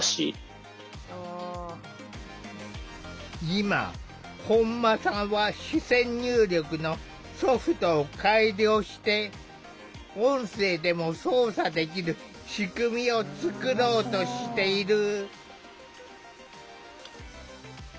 今本間さんは視線入力のソフトを改良して音声でも操作できる仕組みを作ろうとしている。